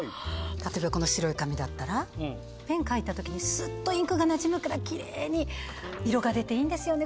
例えばこの白い紙だったらペン書いた時にすっとインクがなじむからきれいに色が出ていいんですよね